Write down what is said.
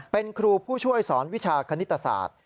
เป็นครูผู้ช่วยสอนวิชาคณิตศาสตร์